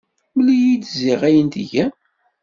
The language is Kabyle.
Mlet-iyi-d ziɣ ayen tgam.